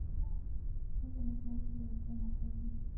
چین د مصنوعي ځیرکتیا مرکز دی.